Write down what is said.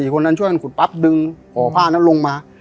คนนั้นช่วยกันขุดปั๊บดึงห่อผ้านั้นลงมา